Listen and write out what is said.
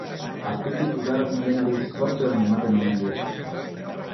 Azpitik igarotzen denari zorte on ematen omen dio.